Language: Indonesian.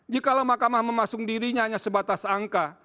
jikala makamah memasung dirinya hanya sebatas angka